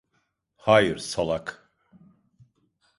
Hayır, salak.